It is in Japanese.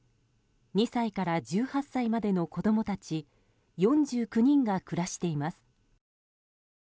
２歳から１８歳までの子供たち４９人が暮らしています。